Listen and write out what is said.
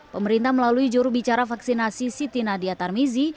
pemerintah melalui jurubicara vaksinasi siti nadia tarmizi